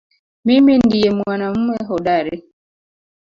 Mimi ndiye mwanamume hodari